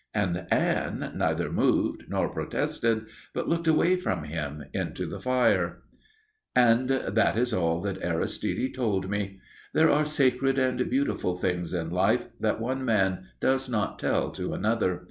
And Anne neither moved nor protested, but looked away from him into the fire. And that is all that Aristide told me. There are sacred and beautiful things in life that one man does not tell to another.